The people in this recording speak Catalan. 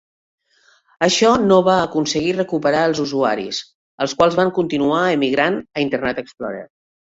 Això no va aconseguir recuperar els usuaris, els quals van continuar emigrant a Internet Explorer.